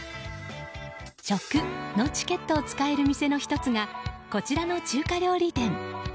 食のチケットを使える店の１つがこちらの中華料理店。